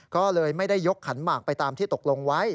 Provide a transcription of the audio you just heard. ก็เลยไม่ได้ยกขันหมากไปตามที่ตกลงไว้